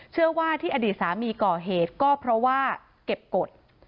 เชื่อว่าที่อดีตสามีก่อเหตุก็เพราะว่าเก็บกฎ